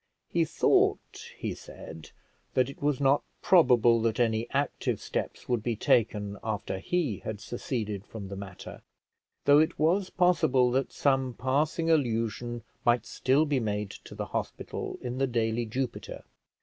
He thought, he said, that it was not probable that any active steps would be taken after he had seceded from the matter, though it was possible that some passing allusion might still be made to the hospital in the daily Jupiter.